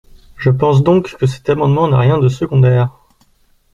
Je pense donc que cet amendement n’a rien de secondaire.